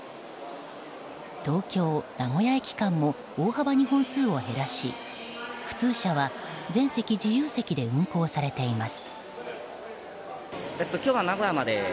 東京名古屋駅間も大幅に本数を減らし普通車は全席自由席で運行されています。